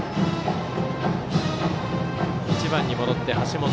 １番に戻って橋本。